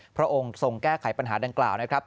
พระองค์ทรงแก้ไขปัญหาดังกล่าวนะครับ